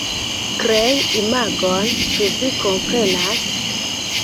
Krei imagon, ĉu vi komprenas?